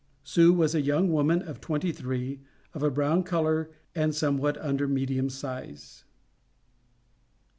Sue was a young woman of twenty three, of a brown color, and somewhat under medium size.